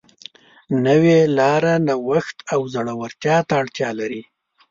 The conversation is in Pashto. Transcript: نوې لاره نوښت او زړهورتیا ته اړتیا لري.